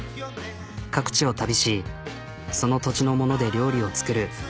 各地を旅しその土地のもので料理を作る。